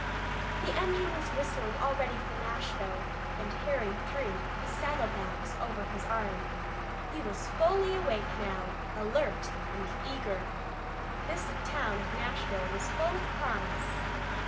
The engine was whistling already for Nashville, and Harry threw his saddle bags over his arm. He was fully awake now, alert and eager. This town of Nashville was full of promise.